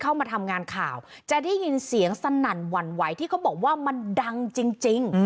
เข้ามาทำงานข่าวจะได้ยินเสียงสนั่นหวั่นไหวที่เขาบอกว่ามันดังจริง